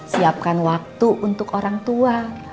siapkan waktu untuk orang tua